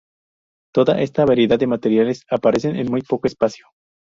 Toda esta variedad de materiales aparecen en muy poco espacio.